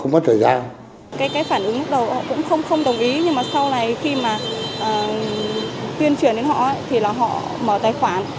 nhưng mà sau này khi mà tuyên truyền đến họ thì là họ mở tài khoản